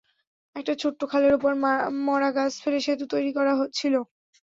একটা ছোট্ট খালের ওপর মরা গাছ ফেলে সেতু তৈরি করা ছিল।